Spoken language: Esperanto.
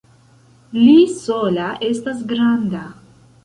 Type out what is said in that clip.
Li sola estas granda!